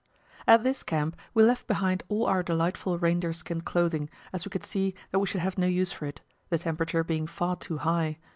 At this camp we left behind all our delightful reindeer skin clothing, as we could see that we should have no use for it, the temperature being far too high.